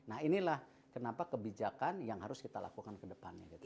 nah inilah kenapa kebijakan yang harus kita lakukan ke depannya gitu